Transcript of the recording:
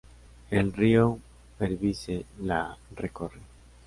El río Berbice la recorre.